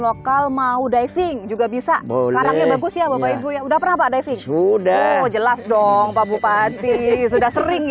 lokal mau diving juga bisa boleh bagus ya udah sudah jelas dong pak bupati sudah sering ya ibu